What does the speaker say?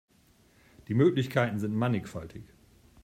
Die Möglichkeiten sind mannigfaltig.